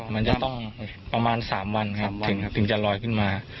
มันจะต้องประมาณ๓วันครับถึงจะลอยขึ้นมา